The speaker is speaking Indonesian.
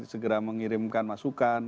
segera mengirimkan masukan